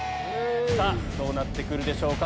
さぁどうなって来るでしょうか？